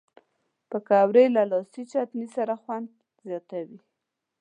پکورې له لاسي چټني سره خوند زیاتوي